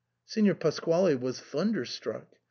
" Signor Pasquale was thunderstruck.